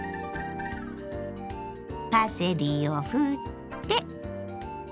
パセリをふって。